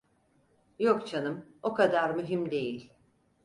Yok canım, o kadar mühim değil…